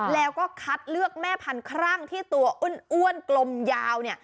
แล้วก็คัดเลือกแม่พันธรั่งที่ตัวอ้วนกลมยาว